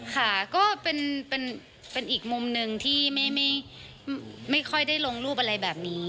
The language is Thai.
ค่ะก็เป็นอีกมุมหนึ่งที่ไม่ค่อยได้ลงรูปอะไรแบบนี้